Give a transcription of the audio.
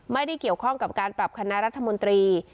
ไม่ได้เกี่ยวข้องกับการปรับคณะรัฐมนตรี